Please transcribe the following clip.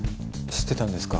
知ってたんですか？